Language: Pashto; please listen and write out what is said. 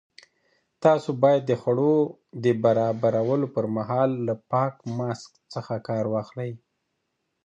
تاسو باید د خوړو د برابرولو پر مهال له پاک ماسک څخه کار واخلئ.